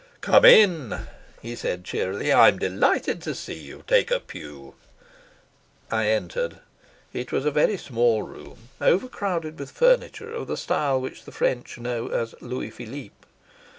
"Come in," he said cheerily. "I'm delighted to see you. Take a pew." I entered. It was a very small room, overcrowded with furniture of the style which the French know as Louis Philippe.